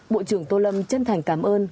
bộ trưởng tô lâm chân thành cảm ơn